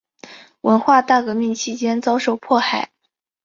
文化大革命期间遭受迫害。